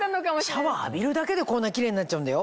シャワー浴びるだけでこんなキレイになっちゃうんだよ。